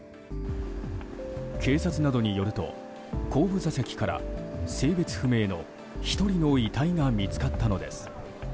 警察などによると後部座席から性別不明の１人の遺体が見つかったのです。